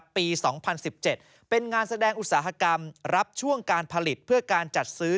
ปี๒๐๑๗เป็นงานแสดงอุตสาหกรรมรับช่วงการผลิตเพื่อการจัดซื้อ